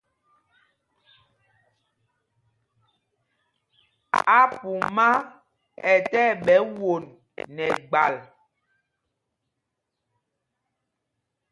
Apumá ɛ tí ɛɓɛ won nɛ gbal.